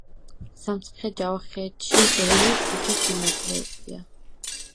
სამცხე-ჯაბახეთში ბევრი ციხე-სიმაგრებია